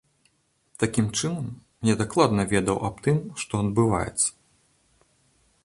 Такім чынам, я дакладна ведаў аб тым, што адбываецца.